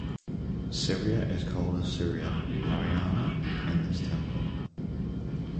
Surya is called as Surya Narayana in this temple.